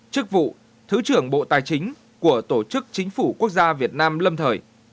chức vụ thứ trưởng bộ tài chính